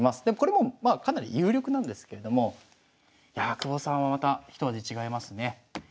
でもこれもまあかなり有力なんですけれどもいやあ久保さんはまた一味違いますね。